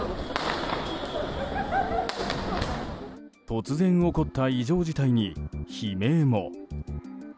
突然起こった異常事態に悲鳴も。